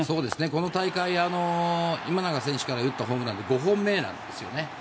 この大会今永選手から打ったホームランで５本目なんですよね。